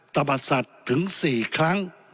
ตะบัดสัตว์ถึง๔ครั้ง